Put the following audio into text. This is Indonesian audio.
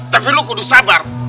tapi lu kudu sabar